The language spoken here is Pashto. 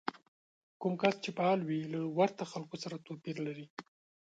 کوم کس چې فعال وي له ورته خلکو سره توپير لري.